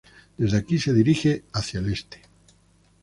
Desde aquí se dirige hacia el este.